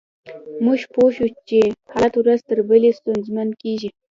موږ پوه شوو چې حالات ورځ تر بلې ستونزمن کیږي